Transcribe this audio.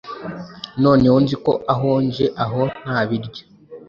Noneho nzi ko ahonje aho nta biryo